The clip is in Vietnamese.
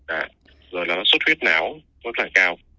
à rồi nó sút huyết não rất là cao